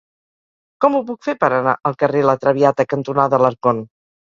Com ho puc fer per anar al carrer La Traviata cantonada Alarcón?